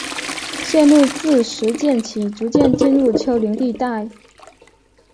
线路自石涧起逐渐进入丘陵地带。